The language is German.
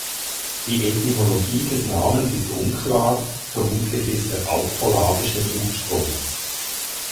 Die Etymologie des Namens ist unklar vermutlich ist er altpolabischen Ursprunges.